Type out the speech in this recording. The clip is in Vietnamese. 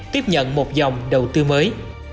tiếp nhận một dòng đầu tư mới